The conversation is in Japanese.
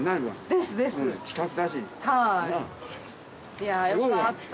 いやあよかった！